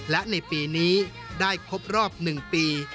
และในปีนี้ได้ครบรอบ๑ปี